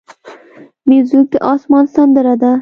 موزیک د آسمان سندره ده.